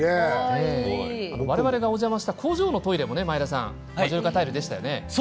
我々がお邪魔した工場のトイレもマジョリカタイルでしたよね。